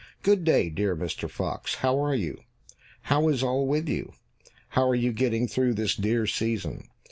"Good day, dear Mr. Fox, how are you? How is all with you? How are you getting through this dear season?"